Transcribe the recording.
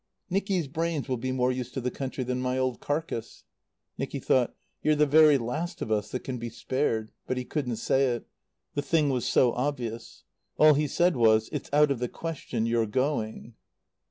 "Nicky's brains will be more use to the country than my old carcass." Nicky thought: "You're the very last of us that can be spared." But he couldn't say it. The thing was so obvious. All he said was: "It's out of the question, your going."